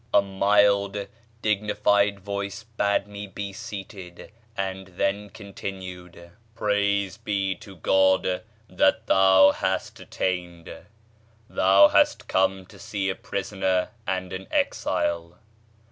A mild dignified voice bade me be seated, and then continued: "Praise be to God that thou hast attained!... Thou hast come to see a prisoner and an exile....